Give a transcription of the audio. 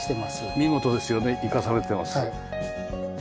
見事ですよね生かされてます。